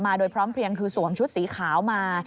โดยพร้อมเพลียงคือสวมชุดสีขาวมา